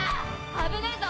危ねえぞ！